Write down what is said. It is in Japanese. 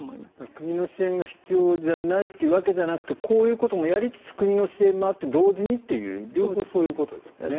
国の支援が必要じゃないということではなくこういうこともやりつつ国の支援もあって同時にということですね。